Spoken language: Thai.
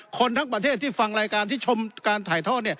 คนทั้งประเทศที่ฟังรายการที่ชมการถ่ายทอด